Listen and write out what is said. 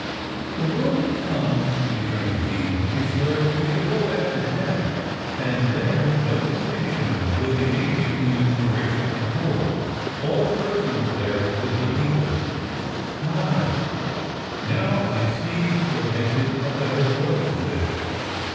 "The world to come," returned the dean, "is where we shall go after death; and there no distinction will be made between rich and poor all persons there will be equal." "Aye, now I see what makes it a better world than this.